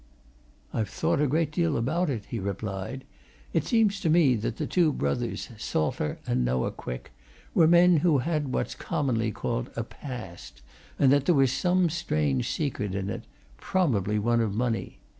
"I've thought a great deal about it," he replied. "It seems to me that the two brothers, Salter and Noah Quick, were men who had what's commonly called a past, and that there was some strange secret in it probably one of money.